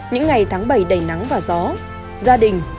những ngày tháng bảy đầy nắng và gió gia đình